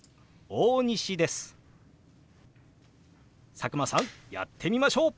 佐久間さんやってみましょう！